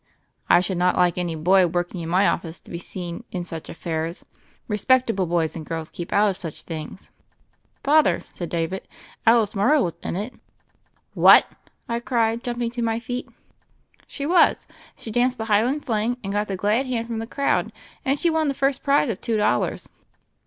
"I should not like any boy working in my office to be seen in such affairs. Respectable boys and girls keep out of such things." "Father," said David, "Alice Morrow was ia it." THE FAIRY OF THE SNOWS 173 "What 1" I cried, jumpinfi; to my feet. "She was. She danced tne Highland Fling, and got the glad hand from the crowd, and she won the first prize of two dollars."